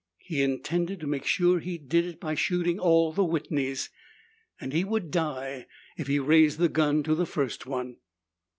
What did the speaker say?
He intended to make sure he did it by shooting all the Whitneys, and he would die if he raised the gun to the first one.